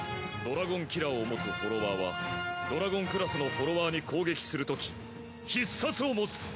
ドラゴンキラーを持つフォロワーはドラゴンクラスのフォロワーに攻撃するとき必殺を持つ。